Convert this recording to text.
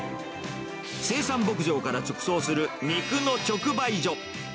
生産牧場から直送する肉の直売所。